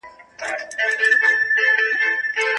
قرآن د خدای کلام دی.